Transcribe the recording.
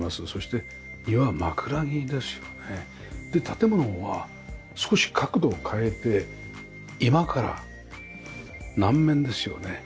建物は少し角度を変えて居間から南面ですよね。